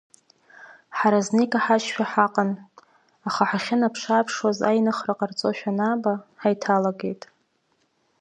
Ҳара зны икаҳажьшәа ҳаҟан, аха ҳахьынаԥшы-ааԥшуаз аиныхра ҟарҵошәа анааба, ҳаиҭалагеит.